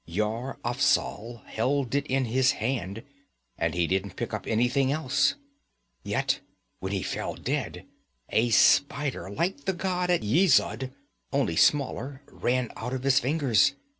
Yar Afzal held it in his hand, and he didn't pick up anything else. Yet when he fell dead, a spider, like the god at Yezud, only smaller, ran out of his fingers.